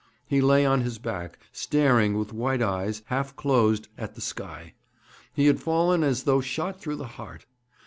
He lay on his back, staring with white eyes, half closed, at the sky. He had fallen as though shot through the heart.